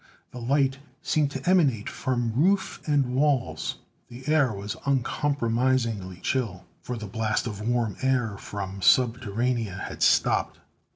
The light seemed to emanate from roof and walls. The air was uncompromisingly chill, for the blast of warm air from Subterranea had stopped.